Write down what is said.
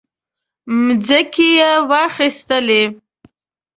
مځکې واخیستلې.